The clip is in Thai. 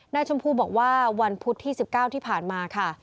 ชมพูบอกว่าวันพุธที่๑๙ที่ผ่านมาค่ะ